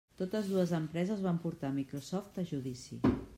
Totes dues empreses van portar Microsoft a judici.